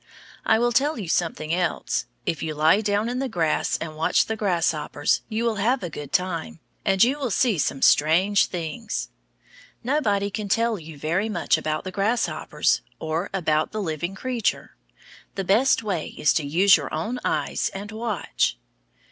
I will tell you something else. If you lie down in the grass and watch the grasshoppers, you will have a good time, and you will see some strange things. Nobody can tell you very much about the grasshoppers or about the living creature. The best way is to use your own eyes and watch.